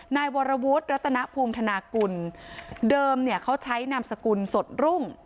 นายวรวุฒิรัตนภูมิธนากุลเดิมเนี่ยเขาใช้นามสกุลสดรุ่ง